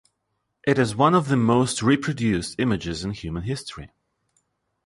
It is one of the most reproduced images in human history.